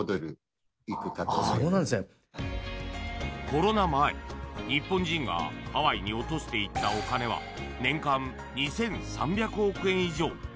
コロナ前、日本人がハワイに落としていたお金は年間２３００億円以上。